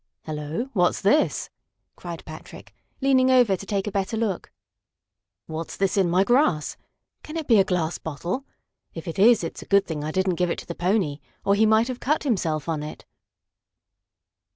"Hello! what's this?" cried Patrick, leaning over to take a better look. "What's this in my grass? Can it be a glass bottle? If it is it's a good thing I didn't give it to the pony, or he might have cut himself on it."